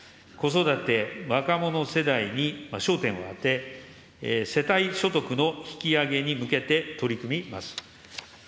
子育て、若者世代に焦点を当て、世帯所得の引き上げに向けて取り組みます。